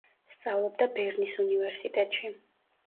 სწავლობდა ბერნის უნივერსიტეტში.